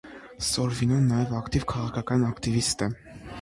Սորվինոն նաև ակտիվ քաղաքական ակտիվիստ է։